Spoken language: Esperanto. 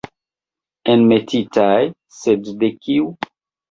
Enmetitaj, sed de kiu?